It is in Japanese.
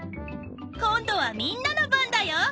今度はみんなの番だよ。